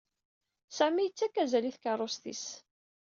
Sami yettak azal i tkeṛṛust-is.